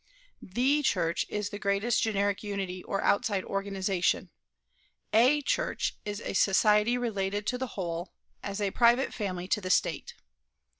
The Church is the great generic unity or outside organization; a church is a society related to the whole, as a private family to the State.